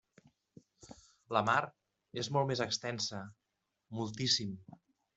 La mar és molt més extensa, moltíssim!